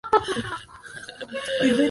Juma wangu ameshinda tuzo kubwa sana.